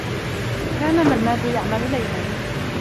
كان منّاد يعمل ليلا.